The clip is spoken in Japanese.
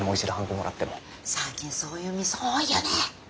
最近そういうミス多いよね。